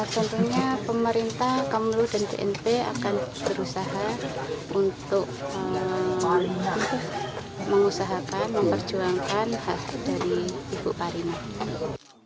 tentunya pemerintah kamlu dan bnp akan berusaha untuk mengusahakan memperjuangkan hasil dari ibu parina